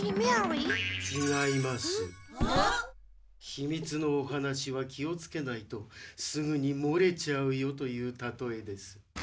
・ひみつのお話は気をつけないとすぐにもれちゃうよというたとえです。